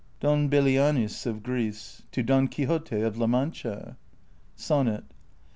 Ixxxv DON BELIANIS OF GREECE ^ TO DON QUIXOTE OF LA MANCHA. SONNET.